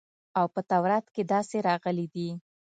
او په تورات کښې داسې راغلي دي.